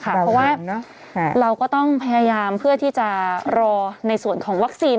เพราะว่าเราก็ต้องพยายามเพื่อที่จะรอในส่วนของวัคซีน